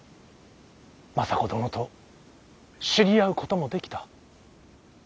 政子殿と知り合うこともできた。